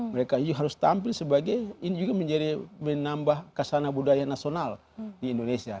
mereka harus tampil sebagai ini juga menjadi menambah kesana budaya nasional di indonesia